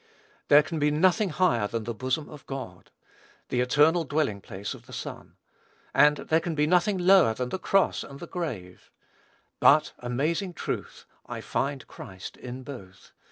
There can be nothing higher than the bosom of God, the eternal dwelling place of the Son; and there can be nothing lower than the cross and the grave; but, amazing truth! I find Christ in both.